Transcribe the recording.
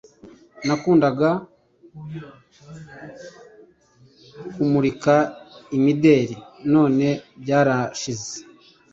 Nakundaga kumurika imideli none byarashize